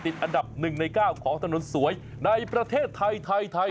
ติดอันดับหนึ่งในก้าวของถนนสวยในประเทศไทย